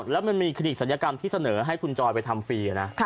แล้วมันมีคลินิกศัลยกรรมที่เสนอให้คุณจอยไปทำฟรีนะ